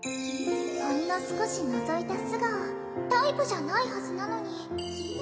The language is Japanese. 「ほんの少し覗いた素顔」「タイプじゃないはずなのに」